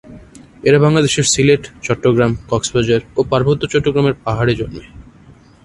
এরা বাংলাদেশের সিলেট, চট্টগ্রাম, কক্সবাজার ও পার্বত্য চট্টগ্রামের পাহাড়ে জন্মে।